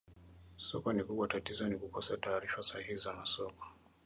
Soko ni kubwa tatizo ni kukosa taarifa sahihi za masoko